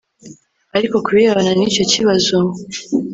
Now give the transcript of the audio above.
Ariko ku birebana nicyo kibazo